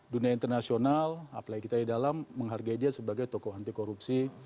dunia internasional apalagi kita di dalam menghargai dia sebagai tokoh anti korupsi